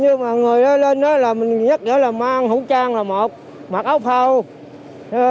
nhưng mà người lên đó là mình nhất giới là mang hũ trang là một mặc áo phao